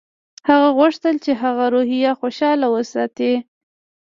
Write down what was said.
هغه غوښتل چې د هغه روحیه خوشحاله وساتي